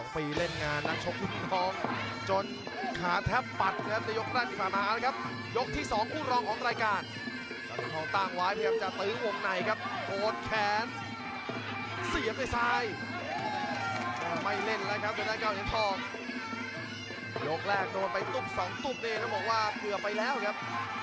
เพราะเค้าให้ให้หยุด